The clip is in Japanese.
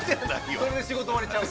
◆これで仕事終わっちゃうの。